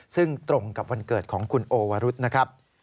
ซึ่งตรงกับวันเกิดของคุณโอวรุษนะครับ